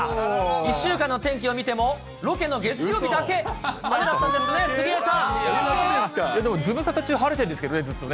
１週間の天気を見ても、ロケの月曜日だけ雨だったんですでも、ズムサタ中、晴れてるんですけどね、ずっとね。